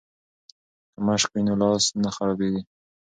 که مشق وي نو لاس نه خرابیږي.